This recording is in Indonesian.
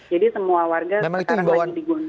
jadi semua warga sekarang lagi di gunung